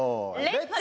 レッツ！